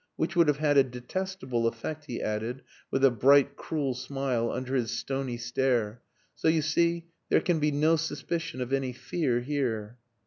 which would have had a detestable effect," he added, with a bright, cruel smile under his stony stare. "So you see, there can be no suspicion of any fear here."